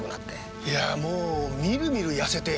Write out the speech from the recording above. いやもうみるみる痩せて。